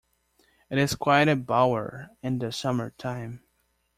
It is quite a bower in the summer-time.